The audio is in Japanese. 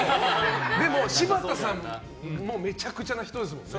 でも、柴田さんもめちゃくちゃな人ですもんね。